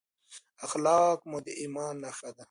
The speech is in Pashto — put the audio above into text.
اخلاق مو د ایمان نښه ده.